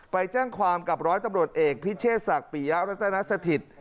ไปแจ้งความกับร้อยตำรวจเอกพิเชษศกปี้ยาและต้านาศถิต